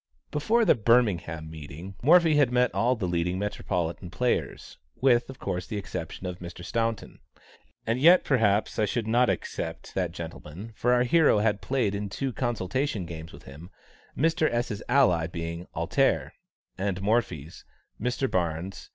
Before the Birmingham meeting, Morphy had met all the leading Metropolitan players, with, of course, the exception of Mr. Staunton. And yet perhaps I should not except that gentleman, for our hero had played in two consultation games with him, Mr. S.'s ally being "Alter," and Morphy's, Mr. Barnes.